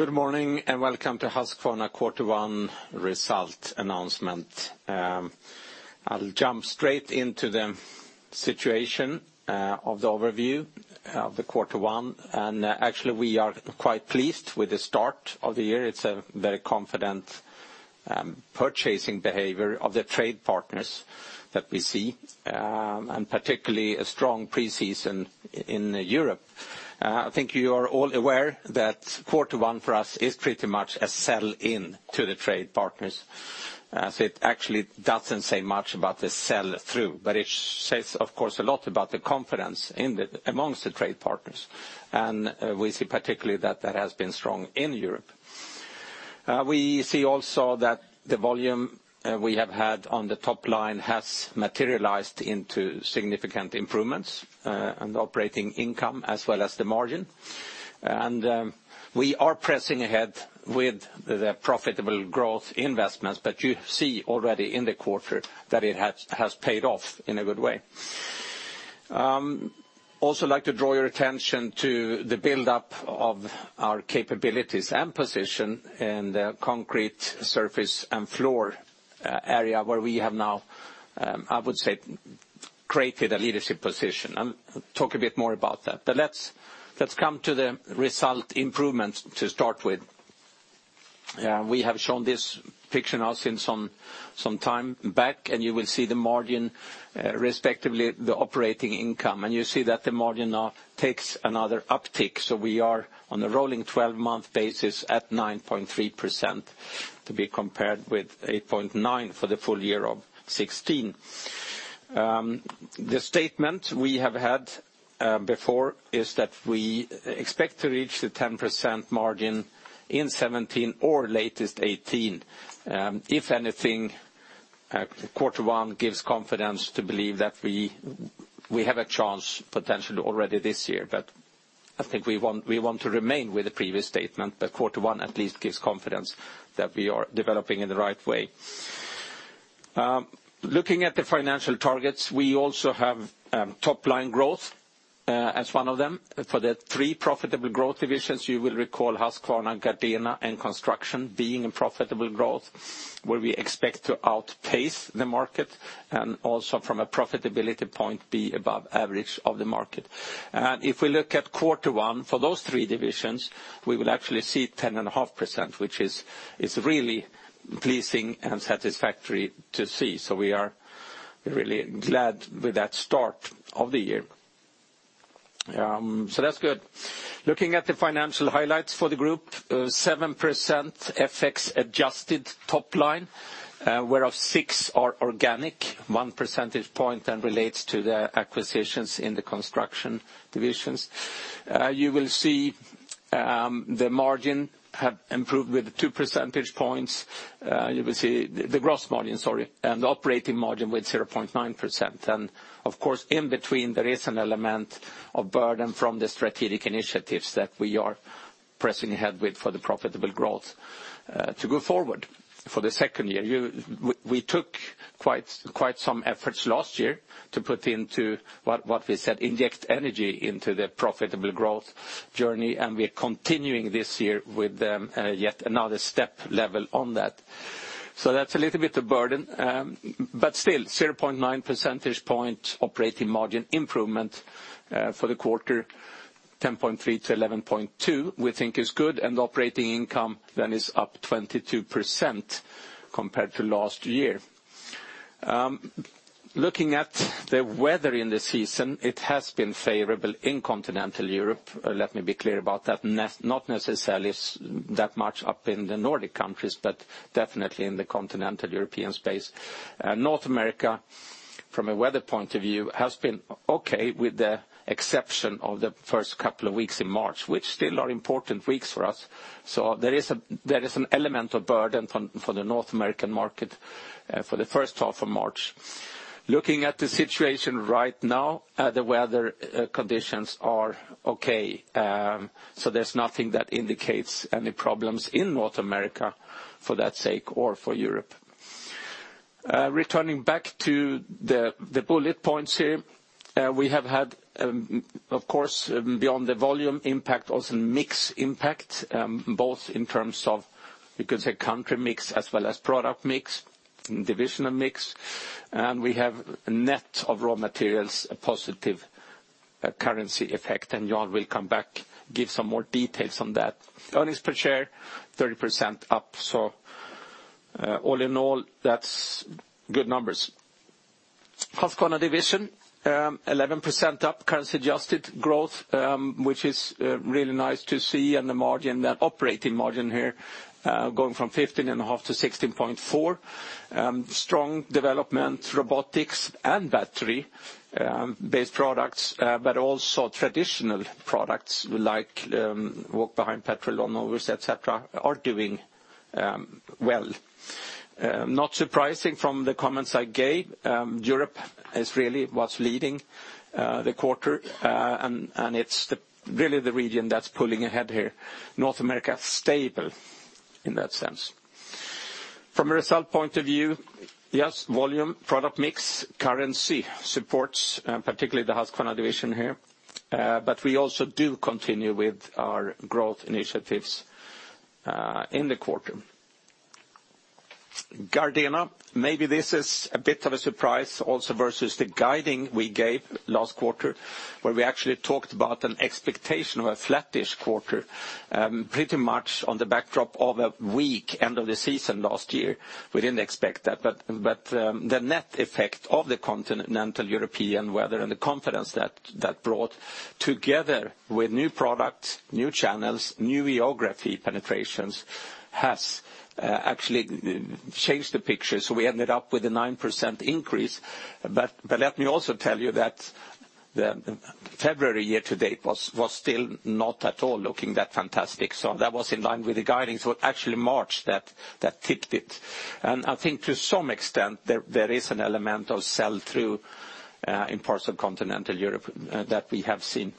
Good morning, welcome to Husqvarna quarter one result announcement. I'll jump straight into the situation of the overview of the quarter one. Actually, we are quite pleased with the start of the year. It's a very confident purchasing behavior of the trade partners that we see, and particularly a strong pre-season in Europe. I think you are all aware that quarter one for us is pretty much a sell-in to the trade partners. It actually doesn't say much about the sell-through, but it says, of course, a lot about the confidence amongst the trade partners. We see particularly that has been strong in Europe. We see also that the volume we have had on the top line has materialized into significant improvements on operating income as well as the margin. We are pressing ahead with the profitable growth investments, but you see already in the quarter that it has paid off in a good way. Also like to draw your attention to the buildup of our capabilities and position in the concrete surface and floor area where we have now, I would say, created a leadership position. I'll talk a bit more about that. Let's come to the result improvements to start with. We have shown this picture now since some time back, and you will see the margin, respectively, the operating income. You see that the margin now takes another uptick. We are on a rolling 12-month basis at 9.3%, to be compared with 8.9% for the full year of 2016. The statement we have had before is that we expect to reach the 10% margin in 2017 or latest 2018. If anything, quarter one gives confidence to believe that we have a chance potentially already this year. I think we want to remain with the previous statement, that quarter one at least gives confidence that we are developing in the right way. Looking at the financial targets, we also have top-line growth as one of them for the three profitable growth divisions. You will recall Husqvarna, Gardena, and Construction being in profitable growth, where we expect to outpace the market, and also from a profitability point be above average of the market. If we look at quarter one for those three divisions, we will actually see 10.5%, which is really pleasing and satisfactory to see. We are really glad with that start of the year. That's good. Looking at the financial highlights for the group, 7% FX-adjusted top line, whereof six are organic. One percentage point then relates to the acquisitions in the Construction divisions. You will see the margin have improved with two percentage points. The gross margin, sorry, and the operating margin with 0.9%. Of course, in between, there is an element of burden from the strategic initiatives that we are pressing ahead with for the profitable growth to go forward for the second year. We took quite some efforts last year to put into what we said, inject energy into the profitable growth journey, and we're continuing this year with yet another step level on that. That's a little bit of burden. Still, 0.9 percentage point operating margin improvement for the quarter, 10.3% to 11.2% we think is good, and operating income then is up 22% compared to last year. Looking at the weather in the season, it has been favorable in continental Europe. Let me be clear about that. Not necessarily that much up in the Nordic countries, but definitely in the continental European space. North America, from a weather point of view, has been okay with the exception of the first couple of weeks in March, which still are important weeks for us. There is an element of burden for the North American market for the first half of March. Looking at the situation right now, the weather conditions are okay. There is nothing that indicates any problems in North America for that sake or for Europe. Returning back to the bullet points here. We have had, of course, beyond the volume impact, also mix impact, both in terms of, you could say, country mix as well as product mix, divisional mix. We have net of raw materials a positive currency effect, and Jan will come back, give some more details on that. Earnings per share, 30% up. All in all, that's good numbers. Husqvarna Division, 11% up currency adjusted growth, which is really nice to see, and the operating margin here going from 15.5%-16.4%. Strong development, robotics, and battery-based products, but also traditional products like walk-behind petrol lawn mowers, et cetera, are doing well. Not surprising from the comments I gave. Europe is really what's leading the quarter, and it's really the region that's pulling ahead here. North America, stable in that sense. From a result point of view, yes, volume, product mix, currency supports, particularly the Husqvarna Division here. We also do continue with our growth initiatives in the quarter. Gardena, maybe this is a bit of a surprise also versus the guiding we gave last quarter, where we actually talked about an expectation of a flattish quarter, pretty much on the backdrop of a weak end of the season last year. We didn't expect that. The net effect of the Continental European weather and the confidence that brought together with new products, new channels, new geography penetrations, has actually changed the picture. We ended up with a 9% increase. Let me also tell you that the February year to date was still not at all looking that fantastic. That was in line with the guidance. Actually March, that tipped it. I think to some extent, there is an element of sell-through, in parts of Continental Europe that we have seen.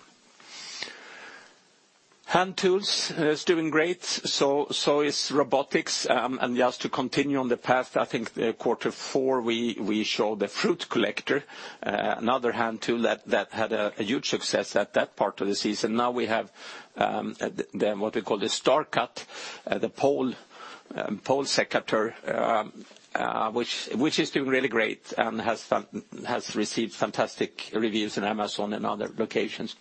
Hand tools is doing great. So is robotics. Just to continue on the path, I think quarter four, we showed the Fruit Collector, another hand tool that had a huge success at that part of the season. Now we have what we call the StarCut, the pole secateur, which is doing really great and has received fantastic reviews in Amazon and other locations.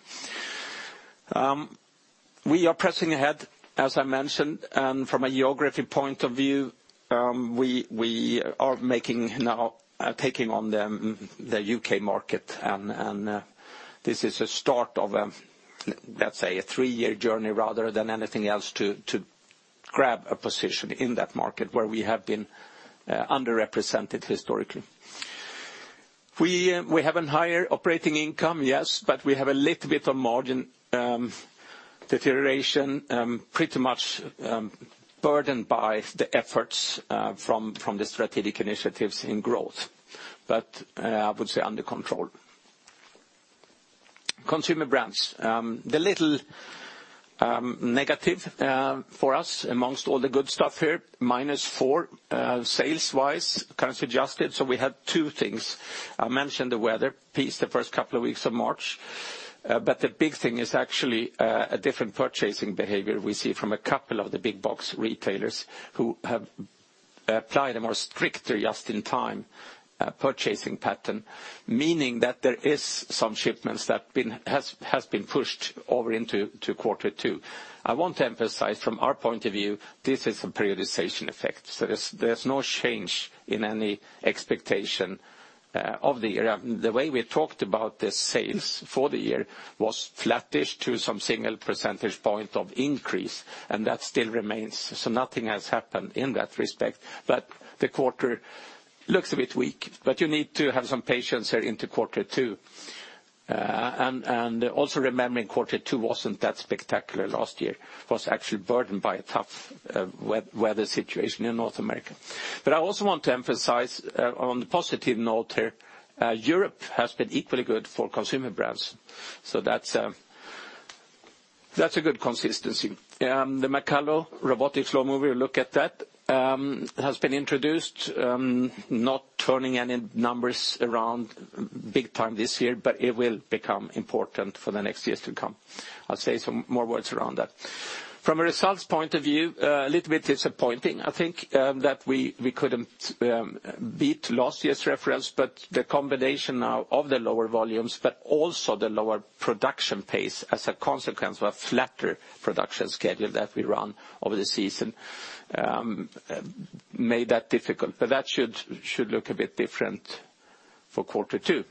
We are pressing ahead, as I mentioned. From a geography point of view, we are now taking on the U.K. market, and this is a start of, let's say, a three-year journey rather than anything else to grab a position in that market where we have been underrepresented historically. We have a higher operating income, yes, we have a little bit of margin deterioration, pretty much burdened by the efforts from the strategic initiatives in growth. I would say under control. Consumer Brands. The little negative for us amongst all the good stuff here, minus 4% sales-wise, currency adjusted. We had two things. I mentioned the weather piece the first couple of weeks of March. The big thing is actually a more stricter just-in-time purchasing pattern, meaning that there is some shipments that has been pushed over into quarter two. I want to emphasize from our point of view, this is a periodization effect. There's no change in any expectation of the year. The way we talked about the sales for the year was flattish to some single percentage point of increase, and that still remains. Nothing has happened in that respect, but the quarter looks a bit weak. You need to have some patience here into quarter two. Also remembering quarter two wasn't that spectacular last year. It was actually burdened by a tough weather situation in North America. I also want to emphasize on the positive note here, Europe has been equally good for consumer brands. That's a good consistency. The McCulloch robotic lawn mower, we'll look at that, has been introduced. Not turning any numbers around big time this year, but it will become important for the next years to come. I'll say some more words around that. From a results point of view, a little bit disappointing, I think, that we couldn't beat last year's reference, but the combination now of the lower volumes, but also the lower production pace as a consequence of a flatter production schedule that we run over the season, made that difficult. That should look a bit different for quarter two.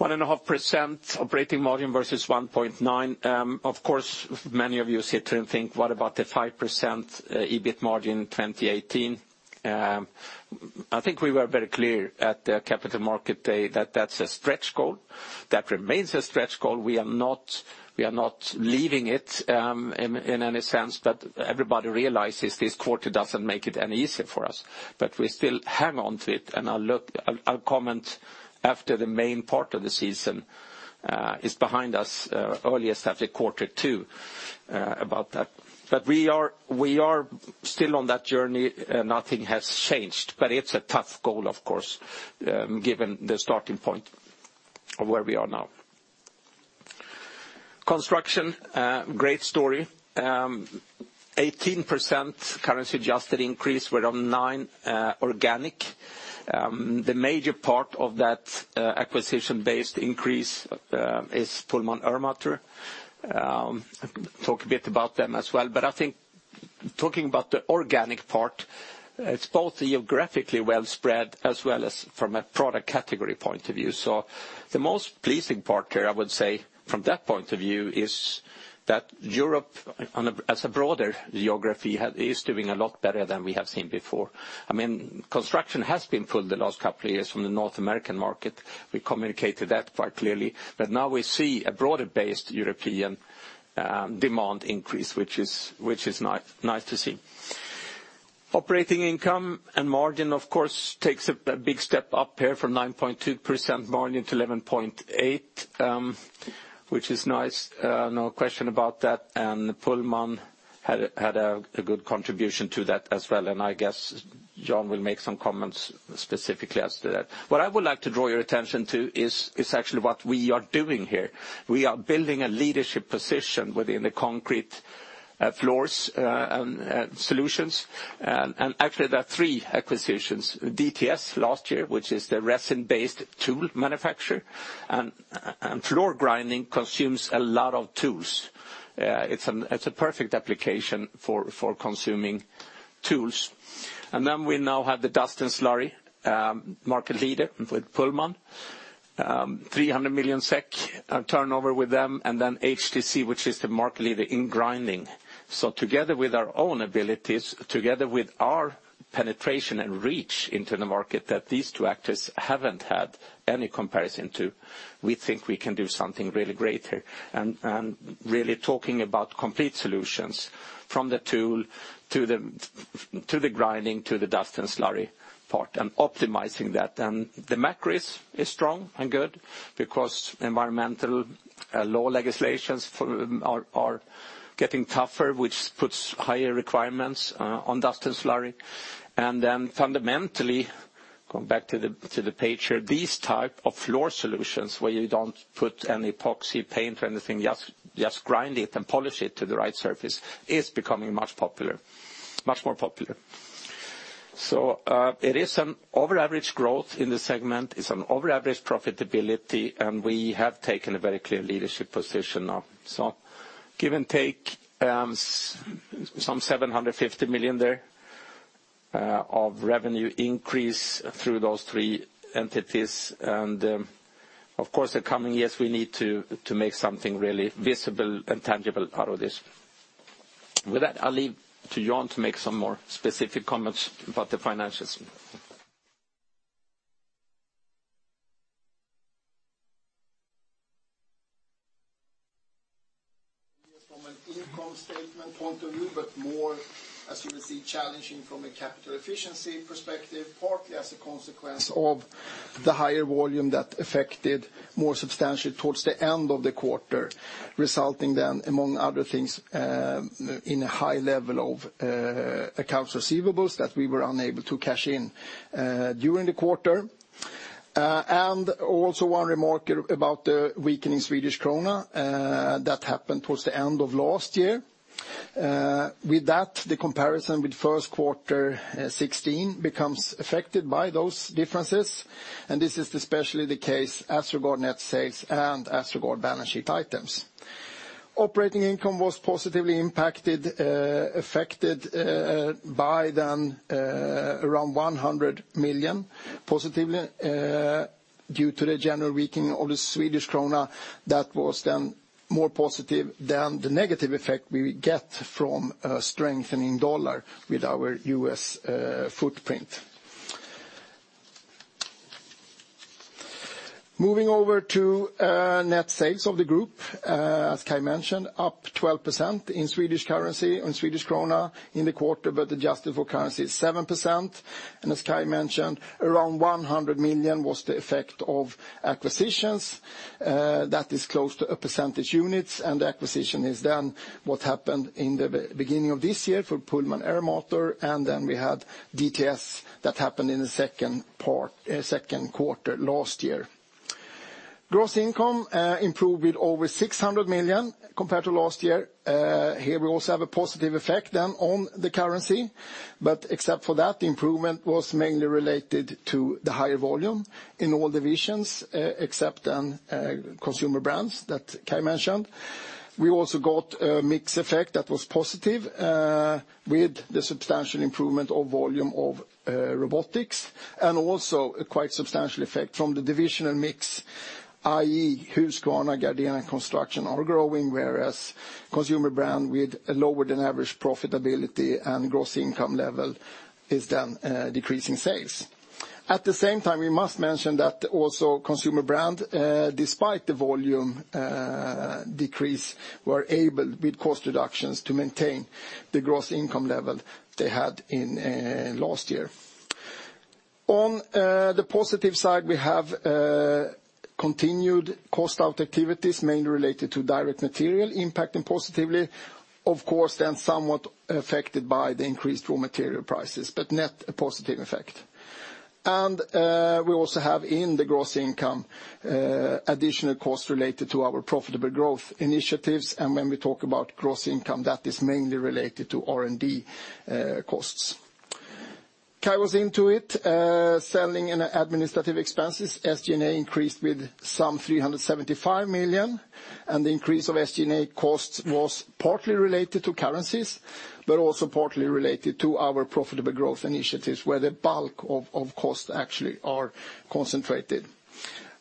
1.5% operating margin versus 1.9%. Of course, many of you sit here and think, what about the 5% EBIT margin 2018? I think we were very clear at the capital market day that that's a stretch goal. That remains a stretch goal. We are not leaving it in any sense, but everybody realizes this quarter doesn't make it any easier for us. We still hang on to it, and I'll comment after the main part of the season is behind us earliest at the quarter two about that. We are still on that journey. Nothing has changed, but it's a tough goal, of course, given the starting point of where we are now. Construction, great story. 18% currency-adjusted increase, 9% organic. The major part of that acquisition-based increase is Pullman Ermator. I'll talk a bit about them as well. I think talking about the organic part, it's both geographically well spread as well as from a product category point of view. The most pleasing part here, I would say from that point of view, is that Europe as a broader geography is doing a lot better than we have seen before. Construction has been pulled the last couple of years from the North American market. We communicated that quite clearly. Now we see a broader-based European demand increase, which is nice to see. Operating income and margin, of course, takes a big step up here from 9.2% margin to 11.8%, which is nice. No question about that. Pullman Had a good contribution to that as well, and I guess Jan will make some comments specifically as to that. What I would like to draw your attention to is actually what we are doing here. We are building a leadership position within the concrete floors solutions. Actually, there are three acquisitions, DTS last year, which is the resin-based tool manufacturer. Floor grinding consumes a lot of tools. It is a perfect application for consuming tools. Then we now have the dust and slurry market leader with Pullman, 300 million SEK turnover with them, and then HTC, which is the market leader in grinding. Together with our own abilities, together with our penetration and reach into the market that these two actors haven't had any comparison to, we think we can do something really great here. Really talking about complete solutions from the tool, to the grinding, to the dust and slurry part, and optimizing that. The macros is strong and good because environmental law legislations are getting tougher, which puts higher requirements on dust and slurry. Fundamentally, going back to the page here, these type of floor solutions where you don't put any epoxy paint or anything, just grind it and polish it to the right surface, is becoming much more popular. It is an over average growth in the segment. It is an over average profitability, and we have taken a very clear leadership position now. Give and take, some 750 million there of revenue increase through those three entities. Of course, the coming years, we need to make something really visible and tangible out of this. With that, I will leave to Jan to make some more specific comments about the financials. From an income statement point of view, but more, as you will see, challenging from a capital efficiency perspective, partly as a consequence of the higher volume that affected more substantially towards the end of the quarter, resulting then, among other things, in a high level of accounts receivables that we were unable to cash in during the quarter. Also one remark about the weakening Swedish krona that happened towards the end of last year. With that, the comparison with first quarter 2016 becomes affected by those differences. This is especially the case as regard net sales and as regard balance sheet items. Operating income was positively affected by then around 100 million, positively due to the general weakening of the Swedish krona that was then more positive than the negative effect we would get from a strengthening USD with our U.S. footprint. Moving over to net sales of the group, as Kai mentioned, up 12% in Swedish currency, in Swedish krona in the quarter, but adjusted for currency, 7%. As Kai mentioned, around 100 million was the effect of acquisitions. That is close to a percentage point, and the acquisition is then what happened in the beginning of this year for Pullman Ermator, and then we had DTS that happened in the second quarter last year. Gross income improved with over 600 million compared to last year. Here we also have a positive effect then on the currency, but except for that, the improvement was mainly related to the higher volume in all divisions except on Consumer Brands that Kai mentioned. We also got a mix effect that was positive with the substantial improvement of volume of robotics, also a quite substantial effect from the divisional mix, i.e., Husqvarna, Gardena, and Construction are growing, whereas Consumer Brands with a lower than average profitability and gross income level is then decreasing sales. At the same time, we must mention that also Consumer Brands, despite the volume decrease, were able, with cost reductions, to maintain the gross income level they had in last year. On the positive side, we have continued cost out activities mainly related to direct material impacting positively, of course, then somewhat affected by the increased raw material prices, but net a positive effect. We also have in the gross income, additional costs related to our profitable growth initiatives. When we talk about gross income, that is mainly related to R&D costs. Kai was into it. Selling and administrative expenses, SG&A increased with some 375 million, the increase of SG&A costs was partly related to currencies, but also partly related to our profitable growth initiatives, where the bulk of costs actually are concentrated.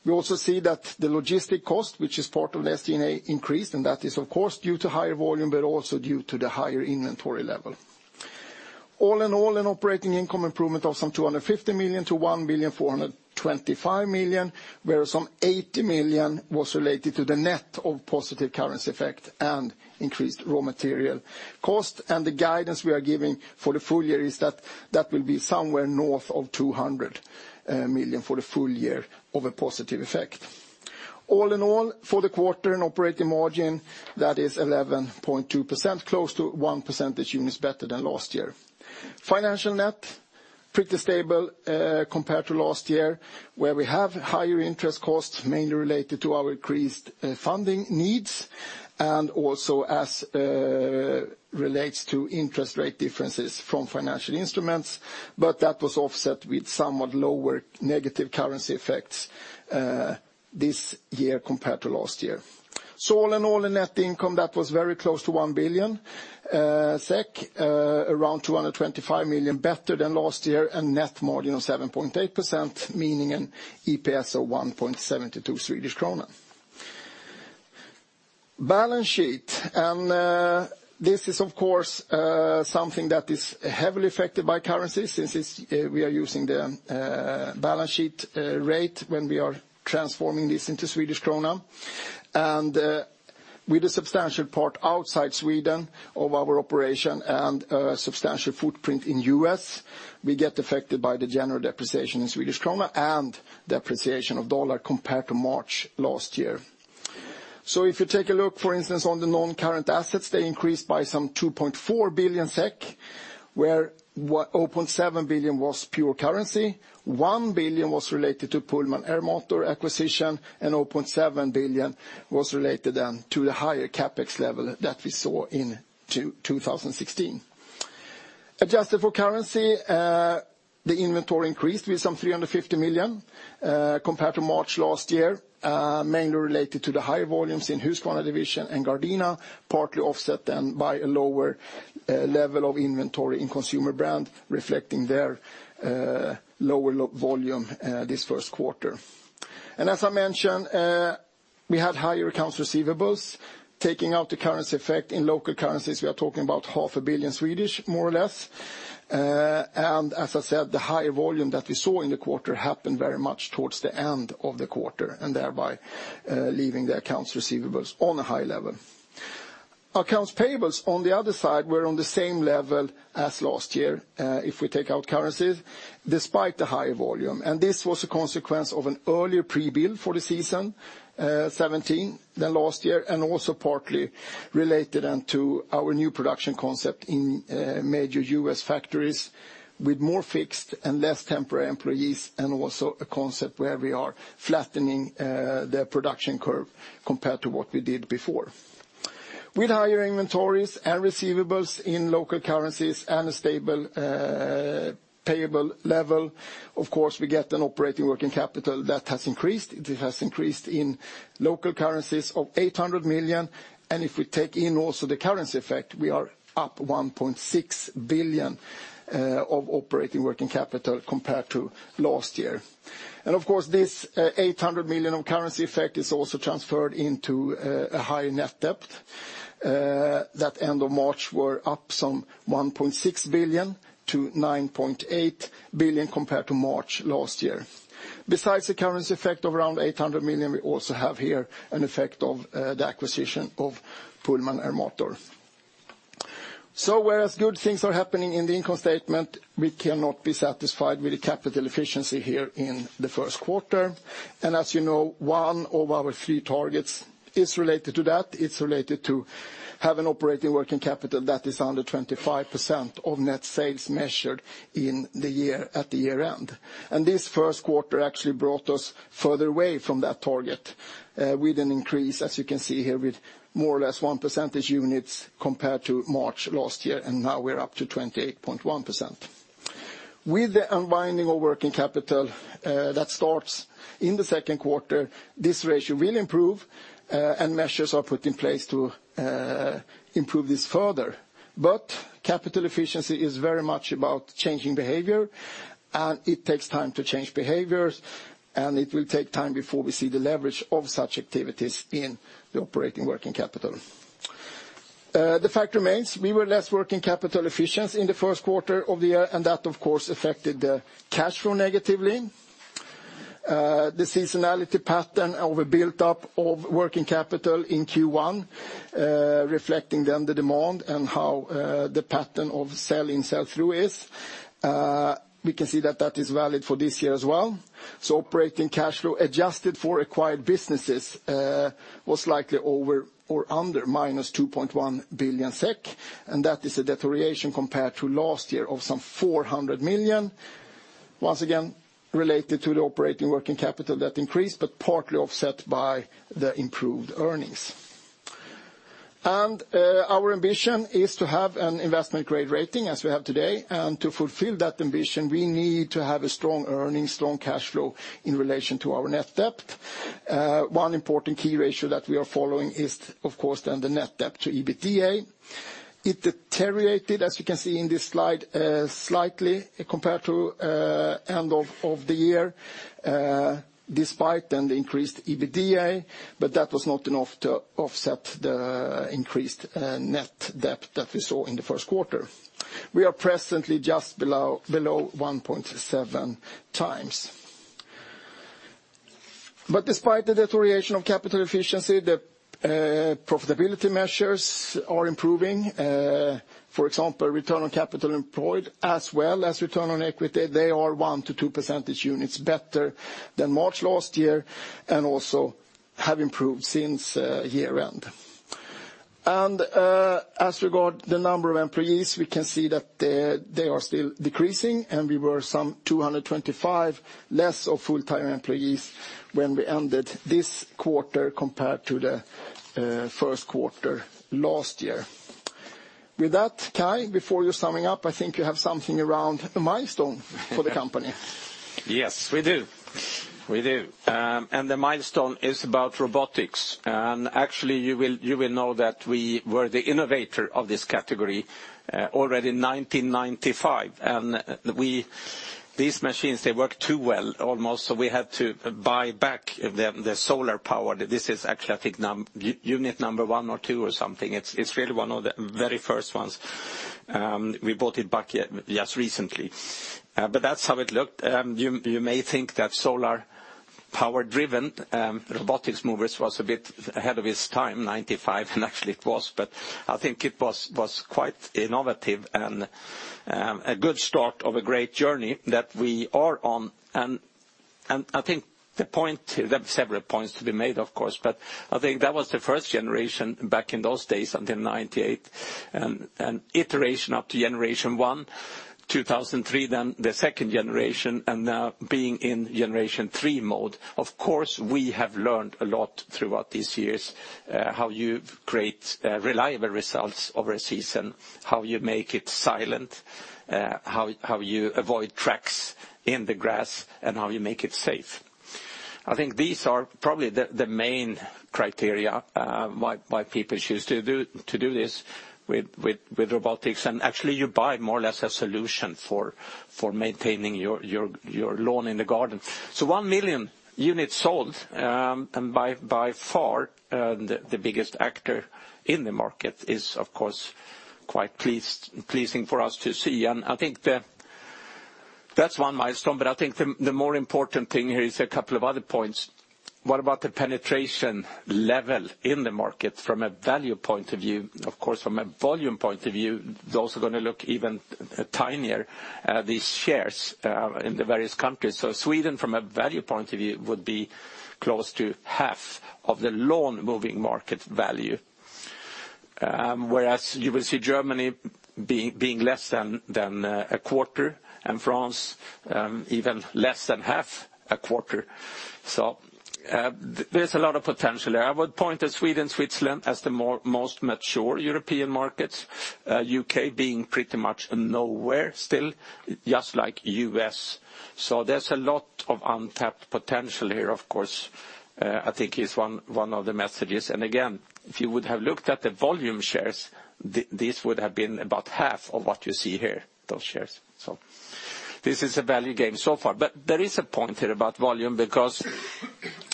We also see that the logistic cost, which is part of the SG&A increased, that is, of course, due to higher volume, but also due to the higher inventory level. All in all, an operating income improvement of some 250 million to 1 billion 425 million, where some 80 million was related to the net of positive currency effect and increased raw material cost. The guidance we are giving for the full year is that that will be somewhere north of 200 million for the full year of a positive effect. All in all, for the quarter and operating margin, that is 11.2%, close to 1 percentage units better than last year. Financial net, pretty stable compared to last year, where we have higher interest costs, mainly related to our increased funding needs, also as relates to interest rate differences from financial instruments. That was offset with somewhat lower negative currency effects this year compared to last year. All in all, the net income, that was very close to 1 billion SEK, around 225 million better than last year, net margin of 7.8%, meaning an EPS of 1.72 Swedish krona. Balance sheet. This is, of course, something that is heavily affected by currency, since we are using the balance sheet rate when we are transforming this into Swedish krona. With a substantial part outside Sweden of our operation and a substantial footprint in U.S., we get affected by the general depreciation in Swedish krona and depreciation of dollar compared to March last year. If you take a look, for instance, on the non-current assets, they increased by some 2.4 billion SEK, where 0.7 billion was pure currency. 1 billion was related to Pullman Ermator acquisition, 0.7 billion was related to the higher CapEx level that we saw in 2016. Adjusted for currency, the inventory increased with some 350 million compared to March last year, mainly related to the higher volumes in Husqvarna Division and Gardena, partly offset by a lower level of inventory in Consumer Brands, reflecting their lower volume this first quarter. As I mentioned, we had higher accounts receivables. Taking out the currency effect in local currencies, we are talking about half a billion SEK more or less. As I said, the higher volume that we saw in the quarter happened very much towards the end of the quarter, thereby leaving the accounts receivables on a high level. Accounts payables, on the other side, were on the same level as last year, if we take out currencies, despite the higher volume. This was a consequence of an earlier pre-bill for the season 2017 than last year, also partly related to our new production concept in major U.S. factories with more fixed and less temporary employees, and also a concept where we are flattening the production curve compared to what we did before. With higher inventories and receivables in local currencies and a stable payable level, of course, we get an operating working capital that has increased. It has increased in local currencies of 800 million. If we take in also the currency effect, we are up 1.6 billion of operating working capital compared to last year. Of course, this 800 million of currency effect is also transferred into a higher net debt. That end of March, we are up some 1.6 billion to 9.8 billion compared to March last year. Besides the currency effect of around 800 million, we also have here an effect of the acquisition of Pullman Ermator. Whereas good things are happening in the income statement, we cannot be satisfied with the capital efficiency here in the first quarter. As you know, one of our three targets is related to that. It is related to have an operating working capital that is under 25% of net sales measured at the year-end. This first quarter actually brought us further away from that target with an increase, as you can see here, with more or less one percentage point compared to March last year, now we are up to 28.1%. With the unwinding of working capital that starts in the second quarter, this ratio will improve. Measures are put in place to improve this further. Capital efficiency is very much about changing behavior. It takes time to change behaviors, it will take time before we see the leverage of such activities in the operating working capital. The fact remains, we were less working capital efficient in the first quarter of the year, that, of course, affected the cash flow negatively. The seasonality pattern of a buildup of working capital in Q1, reflecting then the demand and how the pattern of sell-in, sell-through is. We can see that that is valid for this year as well. Operating cash flow adjusted for acquired businesses was likely over or under minus 2.1 billion SEK. That is a deterioration compared to last year of some 400 million, once again, related to the operating working capital that increased, but partly offset by the improved earnings. Our ambition is to have an investment-grade rating as we have today. To fulfill that ambition, we need to have a strong earnings, strong cash flow in relation to our net debt. One important key ratio that we are following is, of course, then the net debt to EBITDA. It deteriorated, as you can see in this slide, slightly compared to end of the year, despite then the increased EBITDA, but that was not enough to offset the increased net debt that we saw in the first quarter. We are presently just below 1.7 times. Despite the deterioration of capital efficiency, the profitability measures are improving. For example, return on capital employed as well as return on equity. They are one to two percentage units better than March last year, and also have improved since year-end. As regard the number of employees, we can see that they are still decreasing, and we were some 225 less of full-time employees when we ended this quarter compared to the first quarter last year. With that, Kai, before you summing up, I think you have something around a milestone for the company. Yes, we do. We do. The milestone is about robotics. Actually, you will know that we were the innovator of this category already 1995. These machines, they work too well almost, so we had to buy back the solar power. This is actually, I think unit number 1 or 2 or something. It's really one of the very first ones. We bought it back just recently. That's how it looked. You may think that solar power-driven robotic mowers was a bit ahead of its time, 1995, and actually it was, but I think it was quite innovative and a good start of a great journey that we are on. I think the point, there are several points to be made, of course, but I think that was the first generation back in those days, until 1998, and iteration up to generation one. 2003, the second generation, and now being in generation 3 mode. Of course, we have learned a lot throughout these years, how you create reliable results over a season, how you make it silent, how you avoid tracks in the grass, how you make it safe. I think these are probably the main criteria why people choose to do this with robotics. Actually, you buy more or less a solution for maintaining your lawn and the garden. 1 million units sold, by far, the biggest actor in the market is, of course, quite pleasing for us to see. I think that's one milestone, but I think the more important thing here is a couple of other points. What about the penetration level in the market from a value point of view? Of course, from a volume point of view, those are going to look even tinier, these shares in the various countries. Sweden, from a value point of view, would be close to half of the lawn moving market value. Whereas you will see Germany being less than a quarter, and France, even less than half a quarter. There's a lot of potential there. I would point at Sweden, Switzerland as the most mature European markets, U.K. being pretty much nowhere still, just like U.S. There's a lot of untapped potential here, of course, I think is one of the messages. Again, if you would have looked at the volume shares, this would have been about half of what you see here, those shares. This is a value game so far. There is a point here about volume because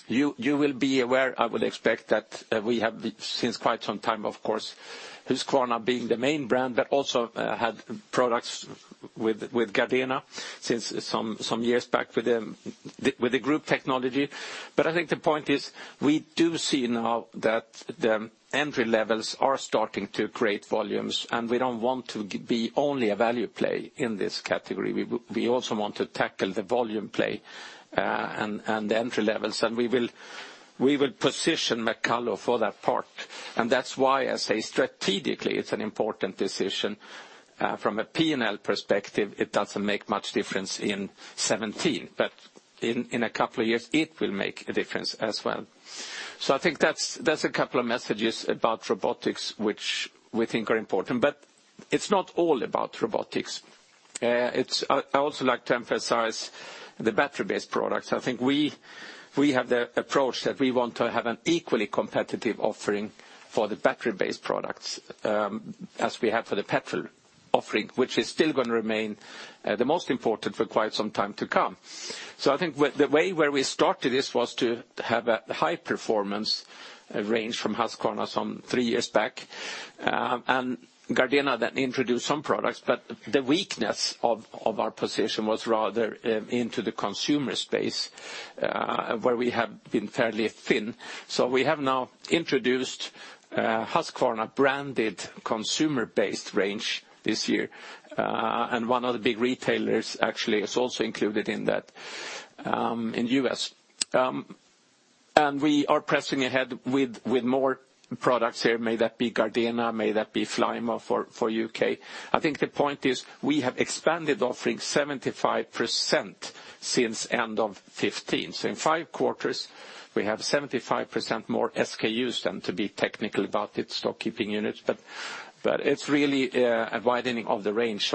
you will be aware, I would expect that we have, since quite some time, of course, Husqvarna being the main brand, but also had products with Gardena since some years back with the group technology. I think the point is we do see now that the entry levels are starting to create volumes, and we don't want to be only a value play in this category. We also want to tackle the volume play, and the entry levels, and we will position McCulloch for that part. That's why I say strategically, it's an important decision. From a P&L perspective, it doesn't make much difference in 2017, but in a couple of years, it will make a difference as well. I think that's a couple of messages about robotics, which we think are important. It's not all about robotics. I also like to emphasize the battery-based products. I think we have the approach that we want to have an equally competitive offering for the battery-based products, as we have for the petrol offering, which is still going to remain the most important for quite some time to come. I think the way where we started this was to have a high-performance range from Husqvarna some three years back, and Gardena then introduced some products, but the weakness of our position was rather into the consumer space, where we have been fairly thin. We have now introduced a Husqvarna-branded consumer-based range this year. One of the big retailers actually is also included in that in U.S. We are pressing ahead with more products here, may that be Gardena, may that be Flymo for U.K. I think the point is we have expanded offering 75% since end of 2015. In five quarters, we have 75% more SKUs than, to be technical about it, stock keeping units. It's really a widening of the range.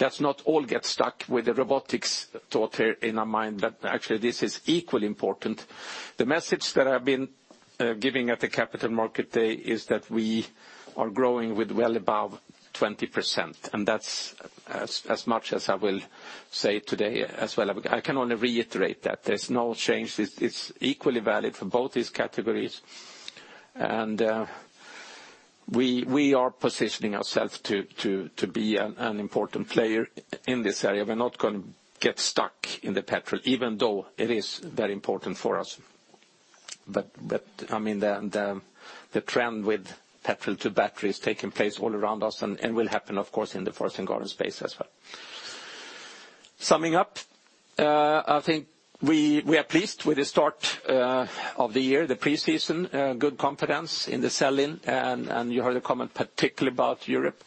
Let's not all get stuck with the robotics thought here in our mind, but actually, this is equally important. The message that I've been giving at the Capital Market Day is that we are growing with well above 20%, and that's as much as I will say today as well. I can only reiterate that there's no change. It's equally valid for both these categories. We are positioning ourselves to be an important player in this area. We're not going to get stuck in the petrol, even though it is very important for us. The trend with petrol to battery is taking place all around us and will happen, of course, in the forest and garden space as well. Summing up, I think we are pleased with the start of the year, the pre-season. Good confidence in the selling. You heard a comment particularly about Europe.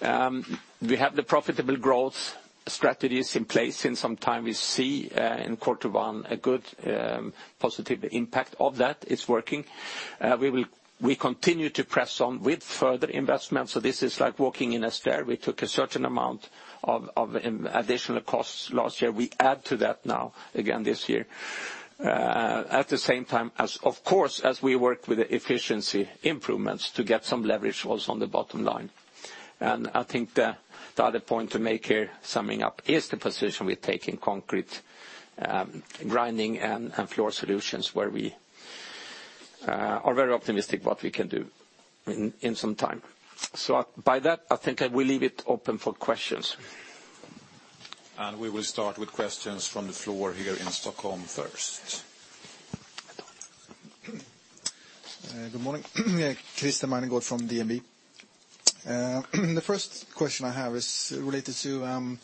We have the profitable growth strategies in place. In some time, we see in Q1 a good positive impact of that. It's working. We continue to press on with further investment. This is like walking in a stair. We took a certain amount of additional costs last year. We add to that now again this year. At the same time, of course, as we work with the efficiency improvements to get some leverage also on the bottom line. I think the other point to make here, summing up, is the position we take in concrete grinding and floor solutions where we are very optimistic what we can do in some time. By that, I think I will leave it open for questions. We will start with questions from the floor here in Stockholm first. Good morning. Christer Magnergård from DNB. The first question I have is related to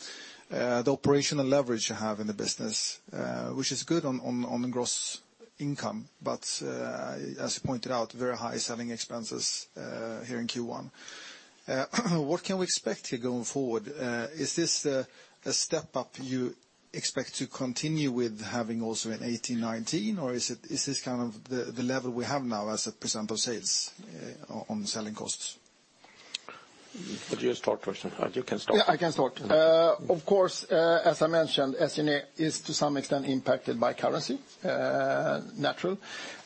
the operational leverage you have in the business, which is good on the gross income. As you pointed out, very high selling expenses here in Q1. What can we expect here going forward? Is this a step-up you expect to continue with having also in 2018, 2019, or is this the level we have now as a % of sales on selling costs? Would you start first? You can start. Yeah, I can start. Of course, as I mentioned, SG&A is to some extent impacted by currency. Natural.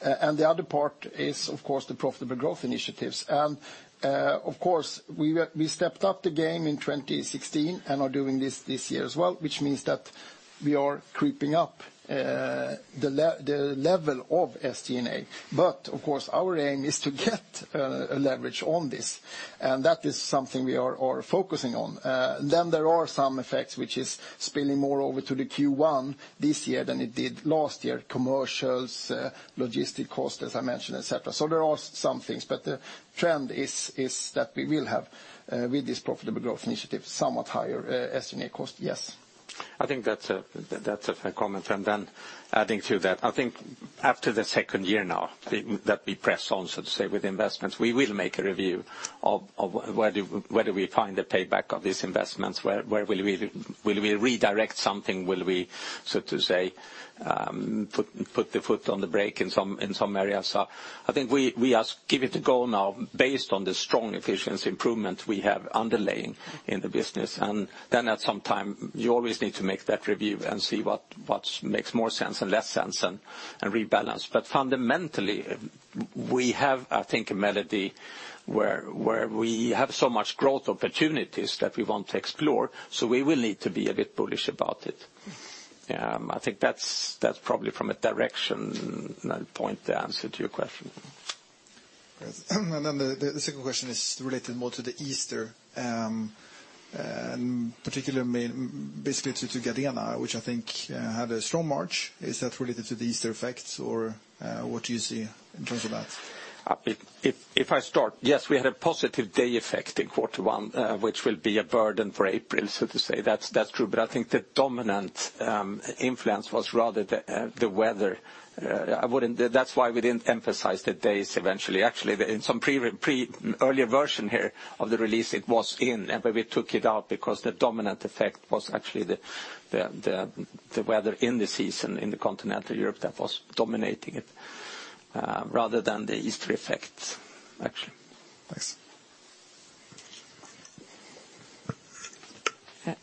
The other part is, of course, the profitable growth initiatives. Of course, we stepped up the game in 2016 and are doing this this year as well, which means that we are creeping up the level of SG&A. Of course, our aim is to get a leverage on this, and that is something we are focusing on. There are some effects which is spilling more over to the Q1 this year than it did last year. Commercials, logistic cost, as I mentioned, et cetera. There are some things. The trend is that we will have with this profitable growth initiative, somewhat higher SG&A cost. Yes. I think that's a fair comment. Adding to that, I think after the second year now that we press on, so to say, with investments, we will make a review of whether we find a payback of these investments, will we redirect something? Will we, so to say, put the foot on the brake in some areas? I think we just give it a go now based on the strong efficiency improvement we have underlying in the business. At some time, you always need to make that review and see what makes more sense and less sense and rebalance. Fundamentally, we have, I think, a melody where we have so much growth opportunities that we want to explore, so we will need to be a bit bullish about it. I think that's probably from a direction point, the answer to your question. The second question is related more to the Easter, particularly basically to Gardena, which I think had a strong March. Is that related to the Easter effects or what do you see in terms of that? If I start, yes, we had a positive day effect in quarter one, which will be a burden for April, so to say. That's true, but I think the dominant influence was rather the weather. That's why we didn't emphasize the days eventually. Actually, in some earlier version here of the release it was in, but we took it out because the dominant effect was actually the weather indices in the Continental Europe that was dominating it, rather than the Easter effect, actually. Thanks.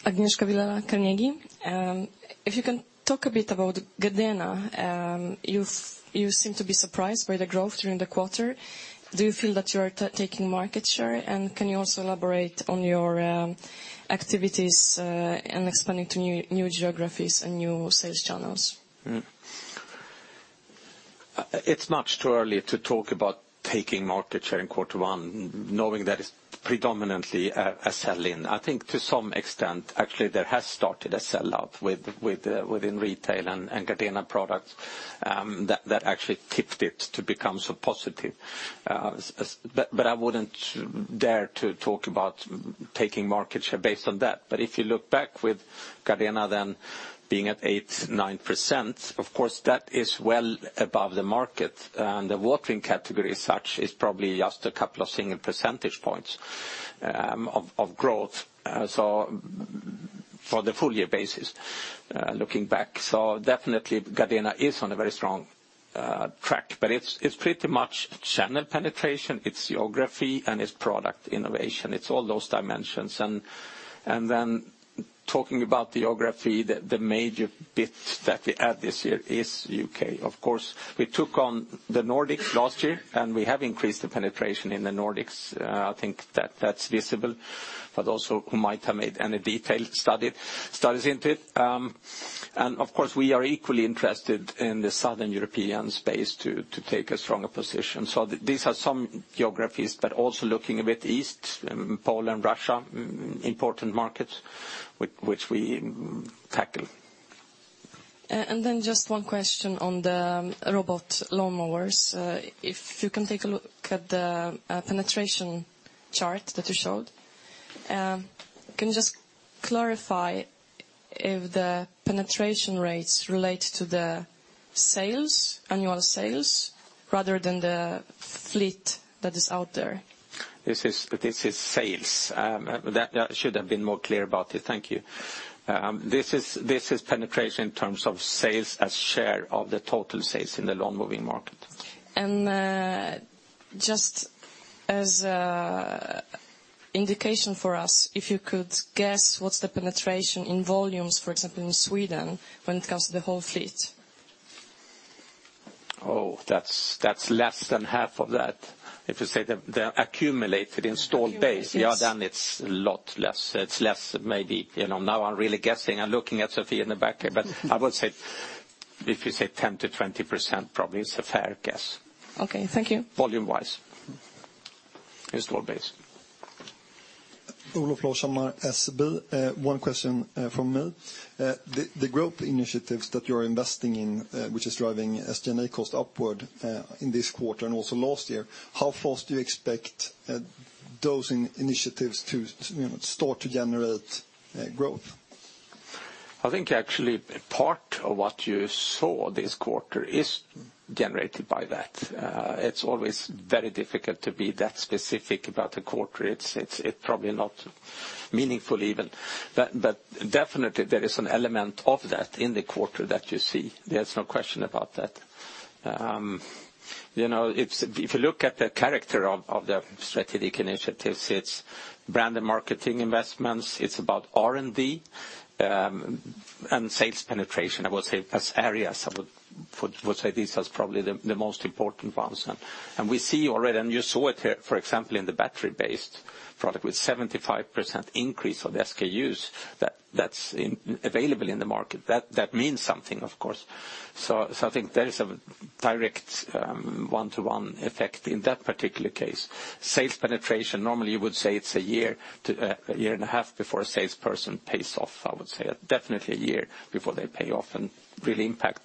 Agnieszka Wyrska. If you can talk a bit about Gardena, you seem to be surprised by the growth during the quarter. Do you feel that you are taking market share? Can you also elaborate on your activities and expanding to new geographies and new sales channels? It's much too early to talk about taking market share in quarter one, knowing that it's predominantly a sell-in. I think to some extent, actually, there has started a sell-out within retail and Gardena products that actually tipped it to become so positive. I wouldn't dare to talk about taking market share based on that. If you look back with Gardena then being at 8%-9%, of course, that is well above the market. The watering category as such is probably just a couple of single percentage points of growth for the full year basis, looking back. Definitely Gardena is on a very strong track, but it's pretty much channel penetration, it's geography, and it's product innovation. It's all those dimensions. Talking about geography, the major bit that we add this year is U.K. Of course, we took on the Nordics last year, and we have increased the penetration in the Nordics. I think that that's visible, but also who might have made any detailed studies into it. Of course, we are equally interested in the Southern European space to take a stronger position. These are some geographies, but also looking a bit east, Poland, Russia, important markets which we tackle. Just one question on the robot lawnmowers. If you can take a look at the penetration chart that you showed. Can you just clarify if the penetration rates relate to the annual sales rather than the fleet that is out there? This is sales. I should have been more clear about it. Thank you. This is penetration in terms of sales as share of the total sales in the lawnmowing market. Just as an indication for us, if you could guess what's the penetration in volumes, for example, in Sweden when it comes to the whole fleet? That's less than half of that. If you say the accumulated installed base. Installed base It's a lot less. It's less maybe, now I'm really guessing and looking at Sofia in the back there. I would say, if you say 10%-20% probably is a fair guess. Thank you. Volume wise. Installed base. Olof Lisshammar, SEB. One question from me. The growth initiatives that you're investing in, which is driving SG&A cost upward, in this quarter and also last year, how fast do you expect those initiatives to start to generate growth? I think actually part of what you saw this quarter is generated by that. It's always very difficult to be that specific about a quarter. It's probably not meaningful even. Definitely there is an element of that in the quarter that you see. There's no question about that. If you look at the character of the strategic initiatives, it's brand and marketing investments, it's about R&D, and sales penetration, I would say. As areas, I would say these are probably the most important ones. We see already, and you saw it here, for example, in the battery-based product with 75% increase of the SKUs that's available in the market. That means something, of course. I think there is a direct one-to-one effect in that particular case. Sales penetration, normally you would say it's a year to a year and a half before a salesperson pays off, I would say. Definitely a year before they pay off and really impact.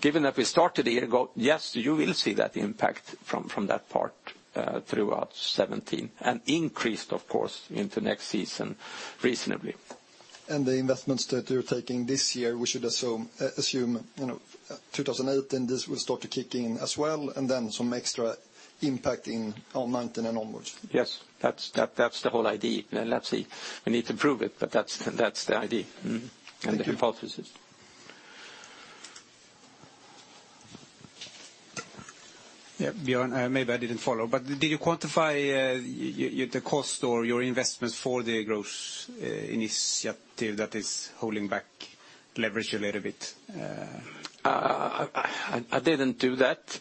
Given that we started a year ago, yes, you will see that impact from that part, throughout 2017, and increased, of course, into next season reasonably. The investments that you're taking this year, we should assume, 2018 this will start to kick in as well, and then some extra impact in our 2019 and onwards? Yes. That's the whole idea. Let's see. We need to prove it, but that's the idea. Mm-hmm. Thank you. The hypothesis. Yeah, Björn, maybe I didn't follow, did you quantify the cost or your investments for the growth initiative that is holding back leverage a little bit? I didn't do that,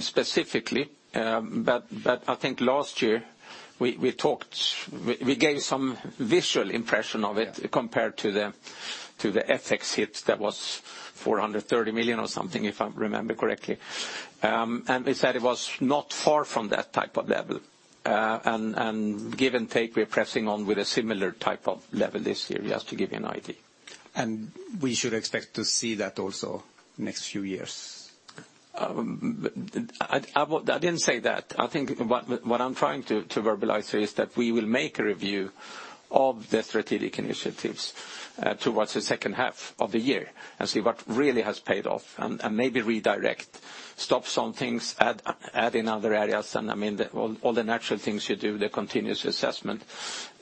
specifically. I think last year we gave some visual impression of it. Yeah compared to the FX hit that was 430 million or something, if I remember correctly. We said it was not far from that type of level. Give and take, we're pressing on with a similar type of level this year, just to give you an idea. We should expect to see that also next few years? I didn't say that. I think what I'm trying to verbalize here is that we will make a review of the strategic initiatives towards the second half of the year and see what really has paid off and maybe redirect. Stop some things, add in other areas, and all the natural things you do, the continuous assessment.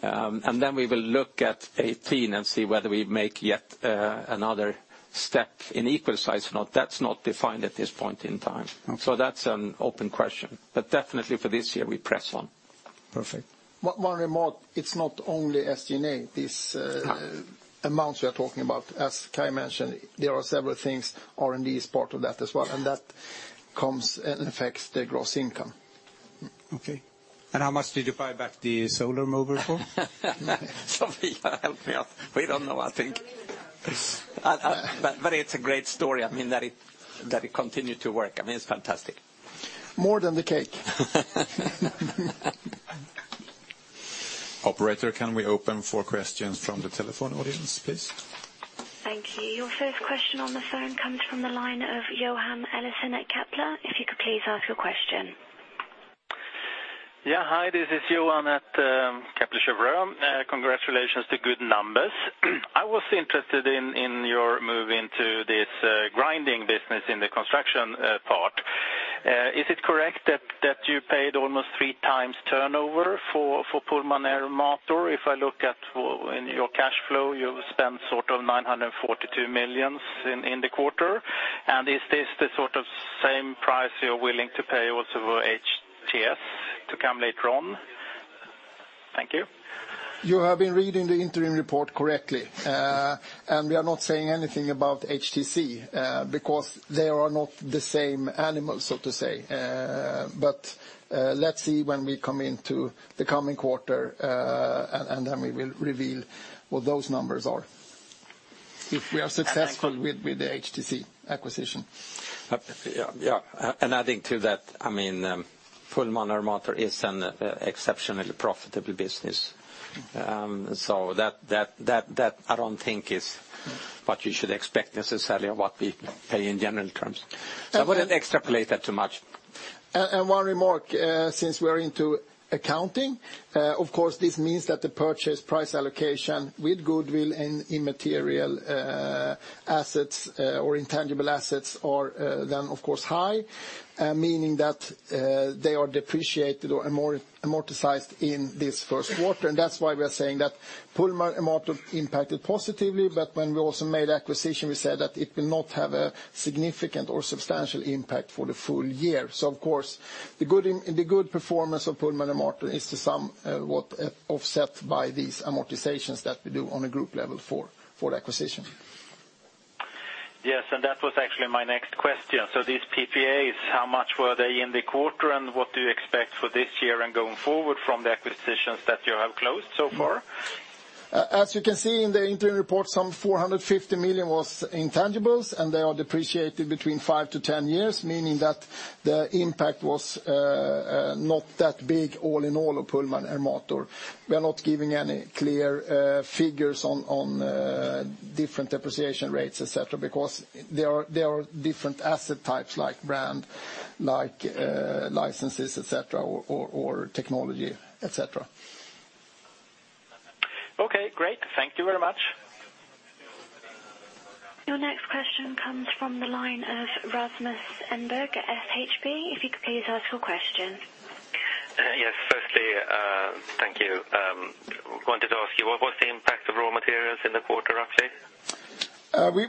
Then we will look at 2018 and see whether we make yet another step in equal size or not. That's not defined at this point in time. Okay. That's an open question. Definitely for this year, we press on. Perfect. One remark. It's not only SG&A. No amounts we are talking about. As Kai mentioned, there are several things. R&D is part of that as well, that comes and affects the gross income. Okay. How much did you buy back the solar mower for? Sofia, help me out. We don't know, I think. I have no idea. It's a great story, that it continued to work. It's fantastic. More than the cake. Operator, can we open for questions from the telephone audience, please? Thank you. Your first question on the phone comes from the line of Johan Eliason at Kepler. If you could please ask your question. Yeah. Hi, this is Johan at Kepler Cheuvreux. Congratulations to good numbers. I was interested in your move into this grinding business in the construction part. Is it correct that you paid almost 3 times turnover for Pullman Ermator? If I look at in your cash flow, you've spent sort of 942 million in the quarter. Is this the sort of same price you're willing to pay also for HTC to come later on? Thank you. You have been reading the interim report correctly. We are not saying anything about HTC, because they are not the same animal, so to say. Let's see when we come into the coming quarter, and then we will reveal what those numbers are, if we are successful- Okay with the HTC acquisition. Yeah. Adding to that Pullman Ermator is an exceptionally profitable business. That I don't think is what you should expect necessarily, or what we pay in general terms. I wouldn't extrapolate that too much. One remark, since we are into accounting, of course this means that the purchase price allocation with goodwill and immaterial assets or intangible assets are then, of course, high, meaning that they are depreciated or amortized in this first quarter. That is why we are saying that Pullman Ermator impacted positively, when we also made acquisition, we said that it will not have a significant or substantial impact for the full year. Of course, the good performance of Pullman Ermator is to somewhat offset by these amortizations that we do on a group level for the acquisition. Yes, that was actually my next question. These PPAs, how much were they in the quarter and what do you expect for this year and going forward from the acquisitions that you have closed so far? As you can see in the interim report, some 450 million was intangibles, they are depreciated between five to 10 years, meaning that the impact was not that big all in all of Pullman Ermator. We are not giving any clear figures on different depreciation rates, et cetera, because there are different asset types like brand, licenses, or technology, et cetera. Okay, great. Thank you very much. Your next question comes from the line of Rasmus Enberg at Handelsbanken, if you could please ask your question. Yes. Firstly, thank you. I wanted to ask you, what was the impact of raw materials in the quarter, roughly?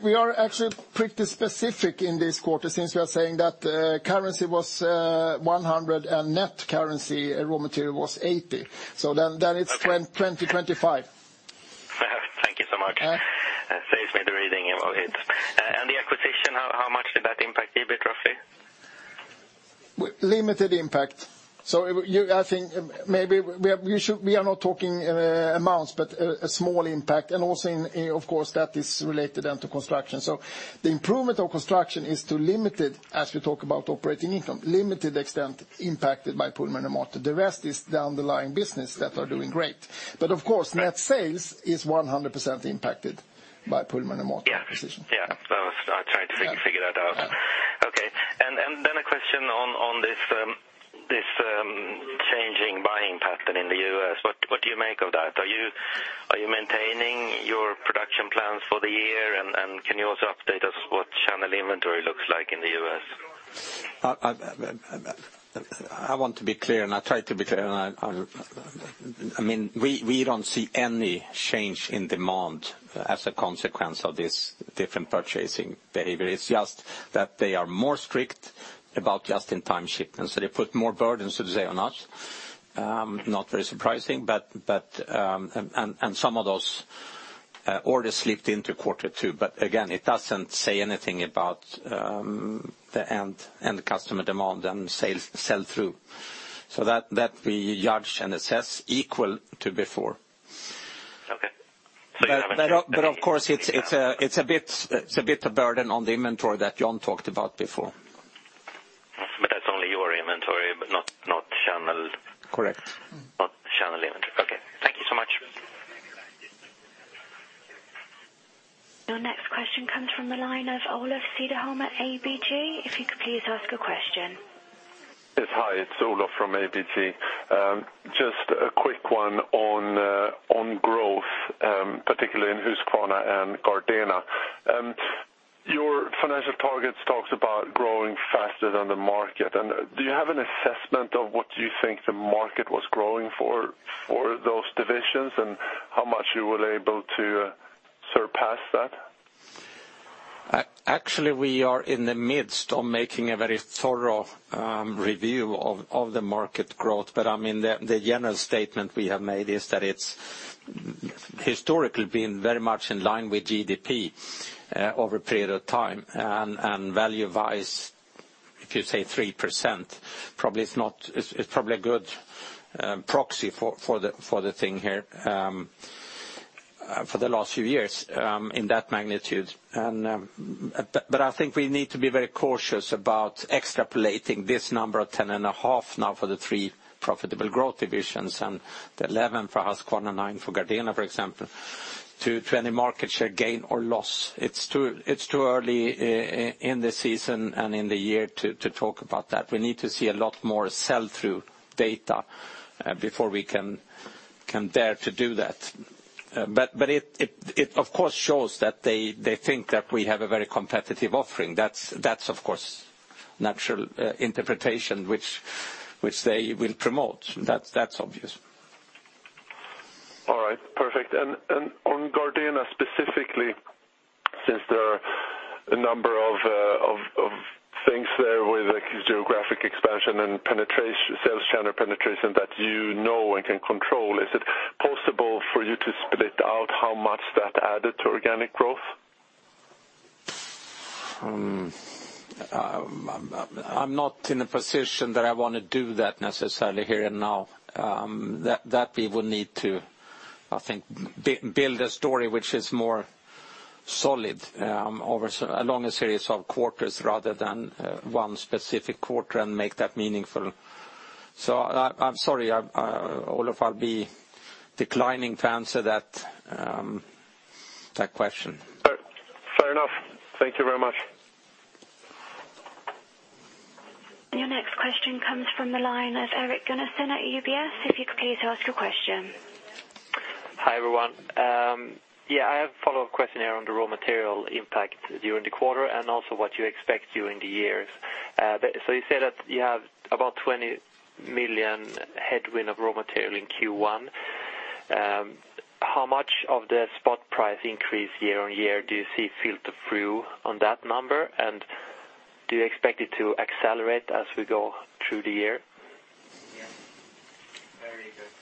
We are actually pretty specific in this quarter since we are saying that currency was 100 and net currency raw material was 80. It's 20-25. Thank you so much. Saves me the reading involved. The acquisition, how much did that impact EBIT roughly? Limited impact. I think maybe we are not talking amounts, but a small impact. Of course, that is related then to construction. The improvement of construction is too limited as we talk about operating income, limited extent impacted by Pullman Ermator. The rest is the underlying business that are doing great. Of course, net sales is 100% impacted by Pullman Ermator acquisition. Yeah. I was trying to figure that out. Okay. Then a question on this changing buying pattern in the U.S. What do you make of that? Are you maintaining your production plans for the year, and can you also update us what channel inventory looks like in the U.S.? I want to be clear, and I try to be clear. We don't see any change in demand as a consequence of this different purchasing behavior. It's just that they are more strict about just-in-time shipments, they put more burdens, so to say, on us. Not very surprising, some of those orders slipped into quarter two. Again, it doesn't say anything about the end customer demand and sell-through. That we judge and assess equal to before. Okay. Of course, it's a bit of burden on the inventory that Jan talked about before. That's only your inventory, but not channel- Correct. Not channel inventory. Okay. Thank you so much. Your next question comes from the line of Olof Cederholm at ABG. If you could please ask your question. Yes. Hi, it's Olof from ABG. Just a quick one on growth, particularly in Husqvarna and Gardena. Your financial targets talks about growing faster than the market. Do you have an assessment of what you think the market was growing for those divisions and how much you were able to surpass that? Actually, we are in the midst of making a very thorough review of the market growth. The general statement we have made is that it's historically been very much in line with GDP over a period of time. Value-wise, if you say 3%, it's probably a good proxy for the thing here for the last few years in that magnitude. I think we need to be very cautious about extrapolating this number of 10.5 now for the three profitable growth divisions, and the 11 for Husqvarna, nine for Gardena, for example, to any market share gain or loss. It's too early in the season and in the year to talk about that. We need to see a lot more sell-through data before we can dare to do that. It of course shows that they think that we have a very competitive offering. That's of course natural interpretation, which they will promote. That's obvious. All right. Perfect. On Gardena specifically, since there are a number of things there with geographic expansion and sales channel penetration that you know and can control, is it possible for you to split out how much that added to organic growth? I'm not in a position that I want to do that necessarily here and now. That we will need to, I think, build a story which is more solid along a series of quarters rather than one specific quarter and make that meaningful. I'm sorry, Olof, I'll be declining to answer that question. Fair enough. Thank you very much. Your next question comes from the line of Eric Gunnesson at UBS. If you could please ask your question. Hi, everyone. I have a follow-up question here on the raw material impact during the quarter and also what you expect during the years. You said that you have about 20 million headwind of raw material in Q1. How much of the spot price increase year-on-year do you see filter through on that number? Do you expect it to accelerate as we go through the year?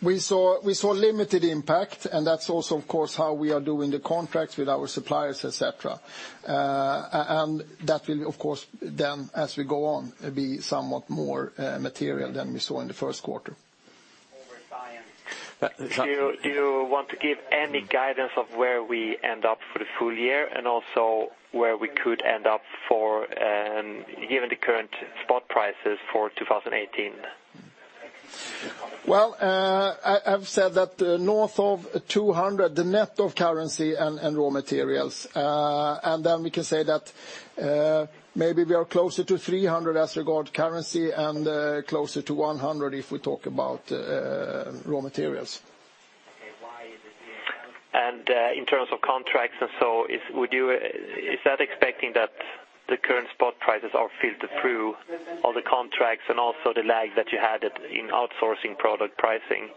We saw limited impact, that's also of course how we are doing the contracts with our suppliers, et cetera. That will, of course, then as we go on, be somewhat more material than we saw in the first quarter. Do you want to give any guidance of where we end up for the full year and also where we could end up for, given the current spot prices for 2018? Well, I've said that north of 200, the net of currency and raw materials. Then we can say that maybe we are closer to 300 as regard to currency and closer to 100 if we talk about raw materials. In terms of contracts, is that expecting that the current spot prices are filtered through all the contracts and also the lag that you had in outsourcing product pricing?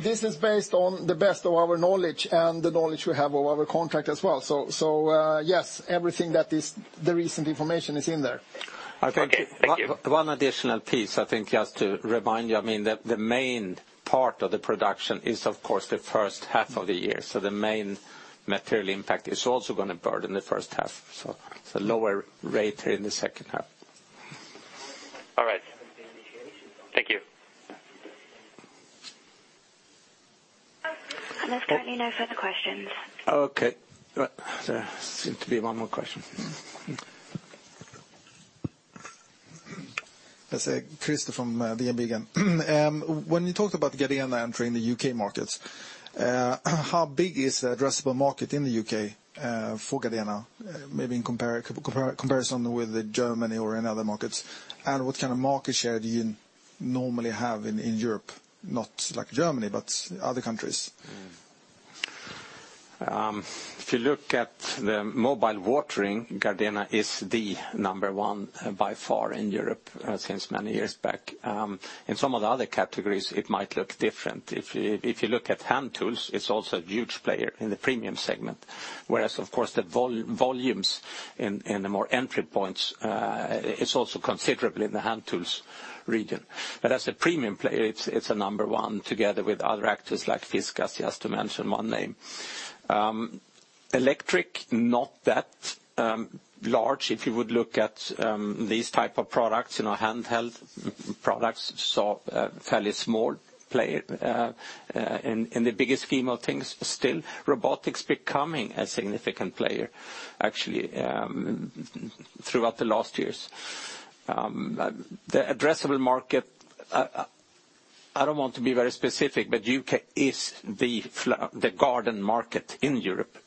This is based on the best of our knowledge and the knowledge we have of our contract as well. Yes, everything that is the recent information is in there. Okay. Thank you. One additional piece, I think, just to remind you, the main part of the production is of course the first half of the year. The main material impact is also going to burden the first half, so lower rate in the second half. All right. Thank you. There's currently no further questions. Okay. There seems to be one more question. Let's say, Chris from DNB again. When you talked about getting the entry in the U.K. markets, how big is the addressable market in the U.K. for Gardena, maybe in comparison with Germany or any other markets? What kind of market share do you normally have in Europe? Not like Germany, but other countries. If you look at the mobile watering, Gardena is the number one by far in Europe since many years back. In some of the other categories, it might look different. If you look at hand tools, it's also a huge player in the premium segment. Whereas, of course, the volumes in the more entry points, it's also considerable in the hand tools region. As a premium player, it's a number one together with other actors like Fiskars, just to mention one name. Electric, not that large. If you would look at these type of products, handheld products, so a fairly small player in the biggest scheme of things, but still robotics becoming a significant player, actually, throughout the last years. The addressable market, I don't want to be very specific, but U.K. is the garden market in Europe.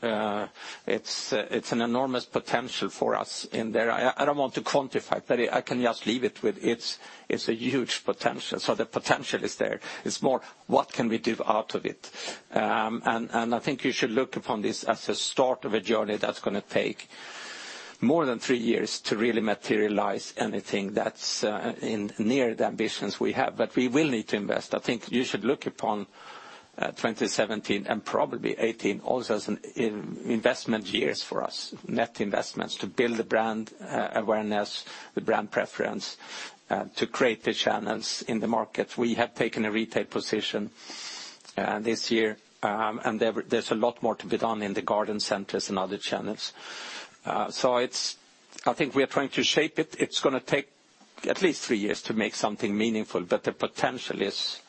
It's an enormous potential for us in there. I don't want to quantify it. I can just leave it with, it's a huge potential. The potential is there. It's more what can we do out of it? I think you should look upon this as a start of a journey that's going to take more than three years to really materialize anything that's near the ambitions we have. We will need to invest. I think you should look upon 2017 and probably 2018 also as investment years for us, net investments to build the brand awareness, the brand preference, to create the channels in the market. We have taken a retail position this year, there's a lot more to be done in the garden centers and other channels. I think we are trying to shape it. It's going to take at least three years to make something meaningful, but the potential is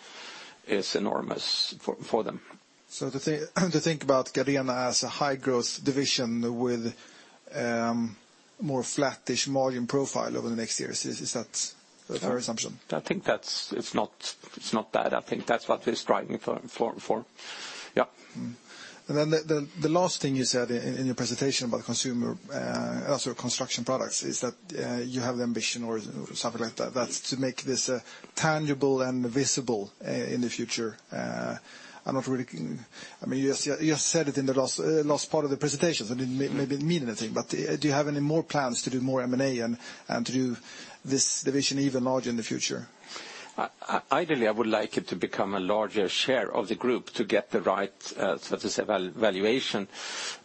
enormous for them. To think about Gardena as a high-growth division with more flattish margin profile over the next years, is that a fair assumption? I think it's not bad. I think that's what we're striving for. Yep. The last thing you said in your presentation about consumer, also construction products, is that you have the ambition or something like that's to make this tangible and visible in the future. You just said it in the last part of the presentation, so it maybe didn't mean anything, but do you have any more plans to do more M&A and to do this division even larger in the future? Ideally, I would like it to become a larger share of the group to get the right, so to say, valuation,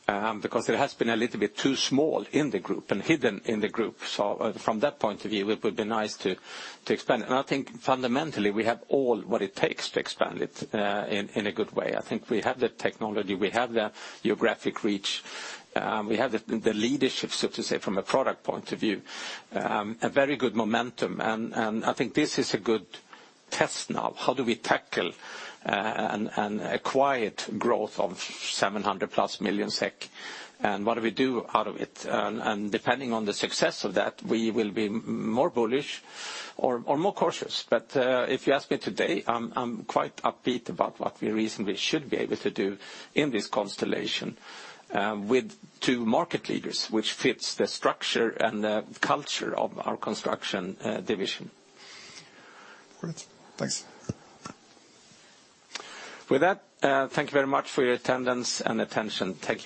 because it has been a little bit too small in the group and hidden in the group. From that point of view, it would be nice to expand. I think fundamentally, we have all what it takes to expand it in a good way. I think we have the technology, we have the geographic reach, we have the leadership, so to say, from a product point of view, a very good momentum. I think this is a good test now. How do we tackle an acquired growth of 700-plus million SEK, and what do we do out of it? Depending on the success of that, we will be more bullish or more cautious. If you ask me today, I'm quite upbeat about what we reasonably should be able to do in this constellation with two market leaders, which fits the structure and the culture of our Construction Division. Great. Thanks. With that, thank you very much for your attendance and attention. Take care.